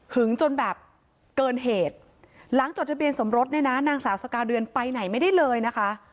จนแบบเกินเหตุหลังจดทะเบียนสมรสเนี่ยนะนางสาวสกาเดือนไปไหนไม่ได้เลยนะคะ